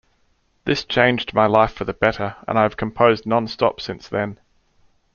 This changed my life for the better and I have composed non-stop since then.